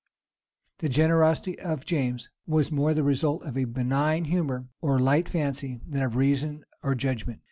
The generosity of James was more the result of a benign humor or light fancy, than of reason or judgment.